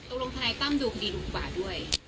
ทนายตั้มดูคดีถูกกว่าด้วย